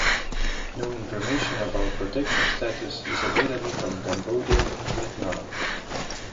No information about protection status is available from Cambodia and Vietnam.